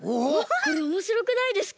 これおもしろくないですか？